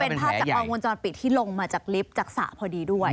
เป็นภาพจากกล้องวงจรปิดที่ลงมาจากลิฟต์จากสระพอดีด้วย